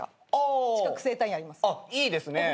あっいいですね。